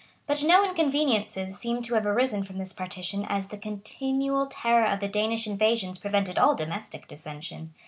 But no inconveniences seem to have arisen from this partition as the continual terror of the Danish invasions prevented all domestic dissension.